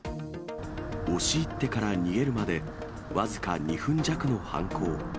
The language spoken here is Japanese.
押し入ってから逃げるまで僅か２分弱の犯行。